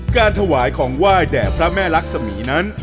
การถวายของไหว้แด่พระแม่รักษมีนั้น